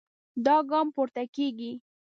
دا ګام پورته کېږي.